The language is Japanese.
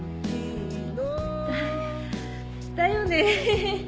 だだよね。